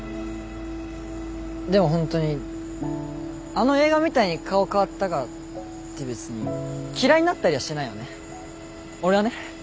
でもほんとにあの映画みたいに顔変わったからって別に嫌いになったりはしないよね俺はね。